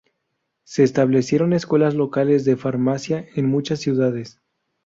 Se establecieron escuelas locales de farmacia en muchas ciudades.